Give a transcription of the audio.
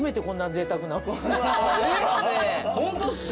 ホントっすか？